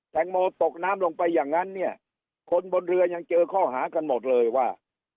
แตงโมตกน้ำลงไปอย่างนั้นเนี่ยคนบนเรือยังเจอข้อหากันหมดเลยว่า